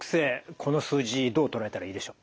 この数字どう捉えたらいいでしょう？